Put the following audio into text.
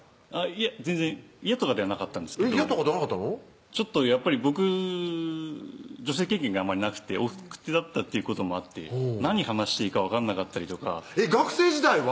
いえ全然嫌とかではなかったんですけどちょっとやっぱり僕女性経験があんまりなくて奥手だったっていうこともあって何話していいか分かんなかったりとか学生時代は？